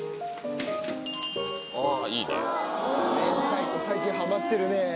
明太子最近ハマってるね。